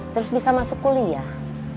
terus bisa masuk kuliah